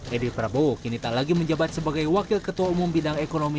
edi prabowo kini tak lagi menjabat sebagai wakil ketua umum bidang ekonomi